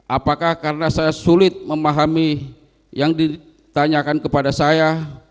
apakah karena saya sulit memahami yang ditanyakan kepada saya